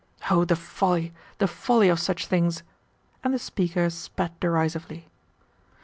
Oh, the folly, the folly of such things!" And the speaker spat derisively.